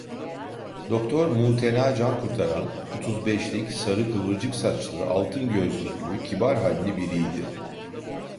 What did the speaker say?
Doktor Mutena Cankurtaran otuz beşlik, sarı kıvırcık saçlı, altın gözlüklü, kibar halli biriydi.